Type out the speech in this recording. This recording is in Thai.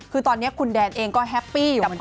คือตอนนี้คุณแดนเองก็แฮปปี้อยู่เหมือนกัน